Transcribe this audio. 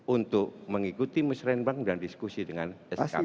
untuk mengikuti musrembang dan diskusi dengan skb